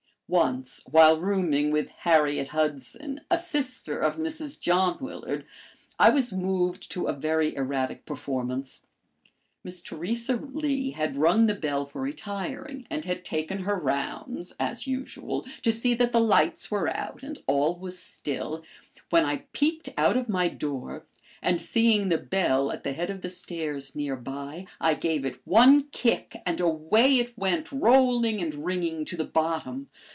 Once while rooming with Harriet Hudson, a sister of Mrs. John Willard, I was moved to a very erratic performance. Miss Theresa Lee had rung the bell for retiring, and had taken her rounds, as usual, to see that the lights were out and all was still, when I peeped out of my door, and seeing the bell at the head of the stairs nearby, I gave it one kick and away it went rolling and ringing to the bottom.